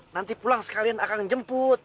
nanti pulang sekalian akan jemput